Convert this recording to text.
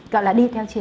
gọi là đi theo chuyện